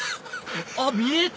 あっ見えた！